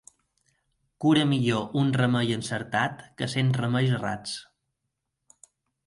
Cura millor un remei encertat que cent remeis errats.